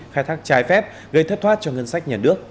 khai thác trái phép gây thất thoát cho ngân sách nhà nước